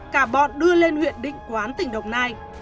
cả bọn đưa lên huyện định quán tỉnh đồng nai